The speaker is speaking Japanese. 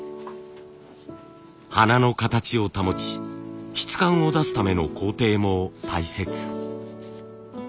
花の形を保ち質感を出すための工程も大切。